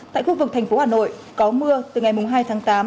tại khu vực thành phố hà nội có mưa từ ngày hai tháng tám